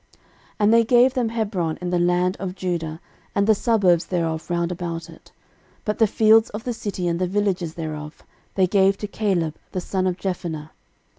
13:006:055 And they gave them Hebron in the land of Judah, and the suburbs thereof round about it. 13:006:056 But the fields of the city, and the villages thereof, they gave to Caleb the son of Jephunneh.